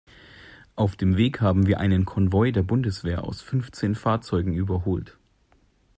Auf dem Weg haben wir einen Konvoi der Bundeswehr aus fünfzehn Fahrzeugen überholt.